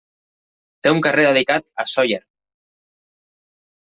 Té un carrer dedicat a Sóller.